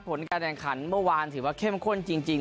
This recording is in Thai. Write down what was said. ผลการแข่งขันเมื่อวานถือว่าเข้มข้นจริง